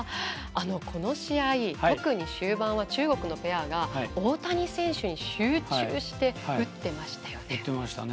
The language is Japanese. この試合、特に終盤は中国のペアが大谷選手に集中して打ってましたよね。